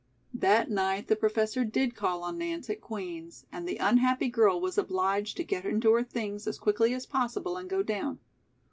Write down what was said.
That night the Professor did call on Nance at Queen's, and the unhappy girl was obliged to get into her things as quickly as possible and go down.